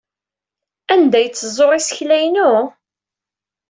Anda ay tteẓẓuɣ isekla-inu?